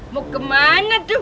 mau kemana tuh